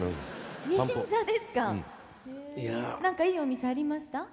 何かいいお店ありました？